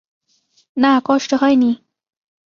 না, কষ্ট হয় নি।